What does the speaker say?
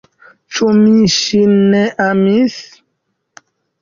Ĉu mi ŝin ne amis?